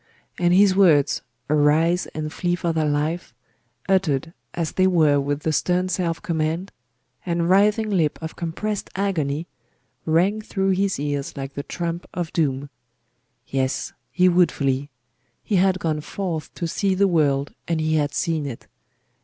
And his words, 'Arise, and flee for thy life,' uttered as they were with the stern self command and writhing lip of compressed agony, rang through his ears like the trump of doom. Yes, he would flee. He had gone forth to see the world, and he had seen it.